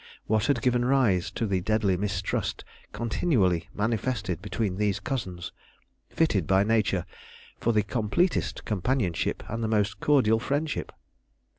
What had given rise to the deadly mistrust continually manifested between these cousins, fitted by nature for the completest companionship and the most cordial friendship?